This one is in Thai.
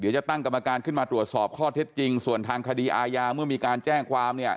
จะตั้งกรรมการขึ้นมาตรวจสอบข้อเท็จจริงส่วนทางคดีอาญาเมื่อมีการแจ้งความเนี่ย